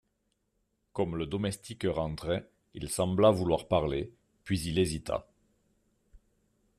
Comme le domestique rentrait, il sembla vouloir parler, puis il hésita.